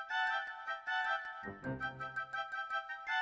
pak kok gitu sih pi